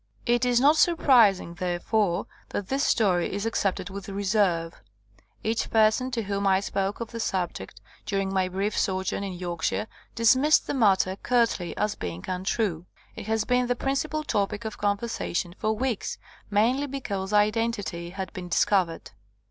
It is not surprising, therefore, that his story is accepted with reserve. Each per son to whom I spoke of the subject during my brief sojourn in Yorkshire dismissed the matter curtly as being untrue. It has been the principal topic of conversation for weeks, mainly because identity had been dis covered.